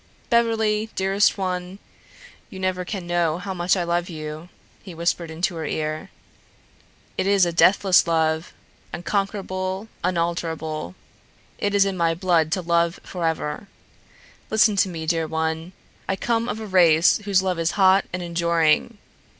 "Beverly, dearest one, you never can know how much I love you," he whispered into her ear. "It is a deathless love, unconquerable, unalterable. It is in my blood to love forever. Listen to me, dear one: I come of a race whose love is hot and enduring.